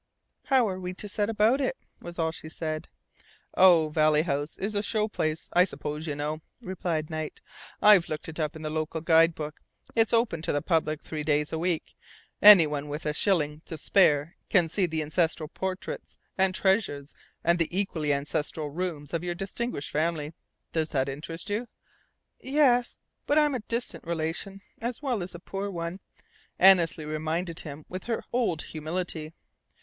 "How are we to set about it?" was all she said. "Oh, Valley House is a show place, I suppose you know," replied Knight. "I've looked it up in the local guide book. It's open to the public three days a week. Any one with a shilling to spare can see the ancestral portraits and treasures, and the equally ancestral rooms of your distinguished family. Does that interest you?" "Ye es. But I'm a distant relation as well as a poor one," Annesley reminded him with her old humility.